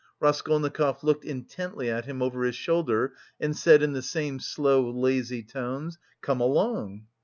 Raskolnikov looked intently at him over his shoulder and said in the same slow, lazy tones: "Come along."